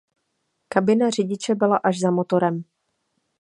Kabina řidiče byla až za motorem.